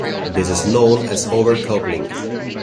This is known as overcoupling.